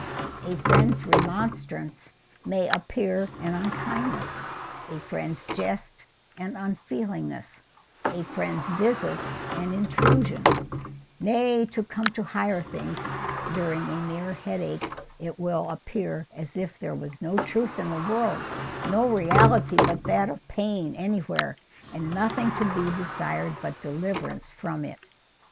A friend's remonstrance may appear an unkindness—a friend's jest an unfeelingness—a friend's visit an intrusion; nay, to come to higher things, during a mere headache it will appear as if there was no truth in the world, no reality but that of pain anywhere, and nothing to be desired but deliverance from it.